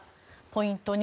ポイント